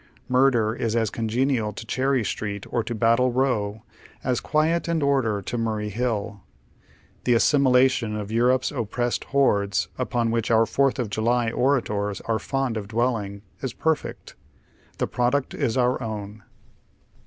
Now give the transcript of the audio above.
Murder is as congenial to Clierry Street or to Battle Row, as quiet and order to Murray Hill. The " as similation " of Europe's oppressed hordes, npon which our Fourth of July oratoi'S are fond of dwelling, is perfect. The product is our own.